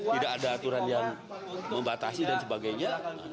tidak ada aturan yang membatasi dan sebagainya